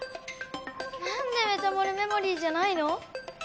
なんでメタモルメモリーじゃないの？